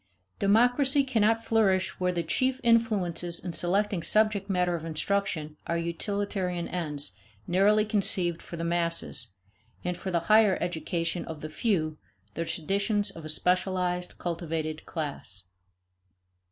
Democracy cannot flourish where the chief influences in selecting subject matter of instruction are utilitarian ends narrowly conceived for the masses, and, for the higher education of the few, the traditions of a specialized cultivated class.